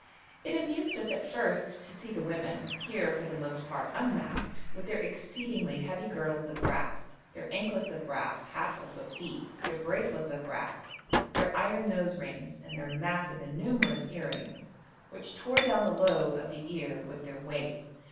It amused us at first to see the women, here for the most part unmasked, with their exceedingly heavy girdles of brass, their anklets of brass half a foot deep, their bracelets of brass, their iron nose rings, and their massive and numerous earrings which tore down the lobe of the ear with their weight.